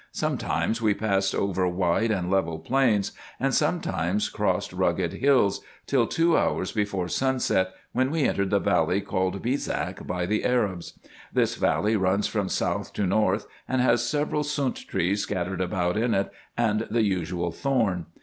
Sometimes we passed over wide and level plains, and sometimes crossed rugged hills, till two hours before sunset, when we entered the valley called Beezak by the Arabs. This valley runs from south to north, and has several sunt trees scattered about in it, and the usual thorn.